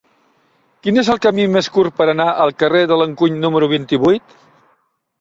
Quin és el camí més curt per anar al carrer de l'Encuny número vint-i-vuit?